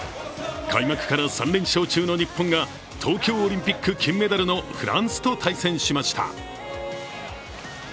開幕から３連勝中の日本が東京オリンピック金メダルのフランスと対戦しました。